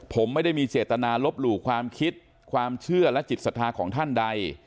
ผมไม่ได้มีเจตนาลบหลู่ความคิดความเชื่อและจิตศรัทธาของท่านใด